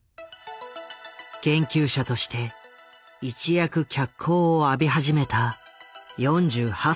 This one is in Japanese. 研究者として一躍脚光を浴び始めた４８歳の時だった。